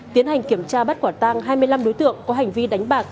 tiến hành kiểm tra bắt quả tang hai mươi năm đối tượng có hành vi đánh bạc